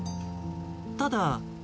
ただ。